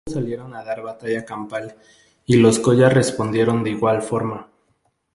Los cuzqueños salieron a dar batalla campal y los collas respondieron de igual forma.